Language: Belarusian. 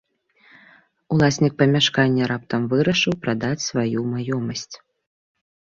Уласнік памяшкання раптам вырашыў прадаць сваю маёмасць.